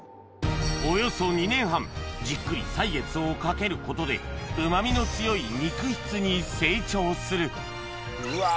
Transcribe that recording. およそ２年半じっくり歳月をかけることでうま味の強い肉質に成長するうわ